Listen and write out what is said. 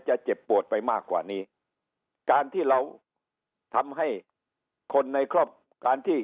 เจ็บปวดไปมากกว่านี้การที่เราทำให้คนในครอบครัวที่